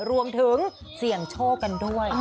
รวมถึงเสี่ยงโชคกันด้วย